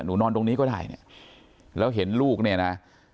นอนตรงนี้ก็ได้เนี่ยแล้วเห็นลูกเนี่ยนะ